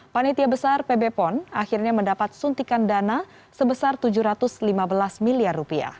panitia besar pb pon akhirnya mendapat suntikan dana sebesar rp tujuh ratus lima belas miliar